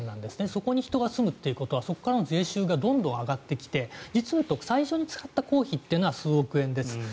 そこに人が住むということはそこからの税収がどんどん上がってきて実を言うと最初に使った公費は数億円です。